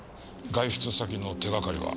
外出先の手掛かりは？